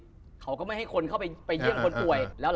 เสียรับสนุกเธอไม่ให้เข้าไปเพื่อเยี่ยงพวกเรา